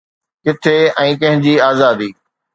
ڪٿي ۽ ڪنهن جي آزادي؟